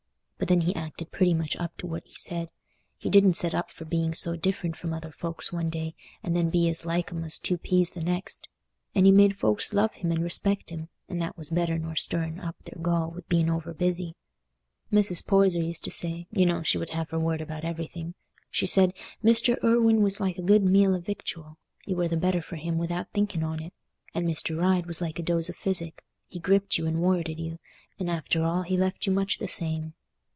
But then he acted pretty much up to what he said; he didn't set up for being so different from other folks one day, and then be as like 'em as two peas the next. And he made folks love him and respect him, and that was better nor stirring up their gall wi' being overbusy. Mrs. Poyser used to say—you know she would have her word about everything—she said, Mr. Irwine was like a good meal o' victual, you were the better for him without thinking on it, and Mr. Ryde was like a dose o' physic, he gripped you and worreted you, and after all he left you much the same."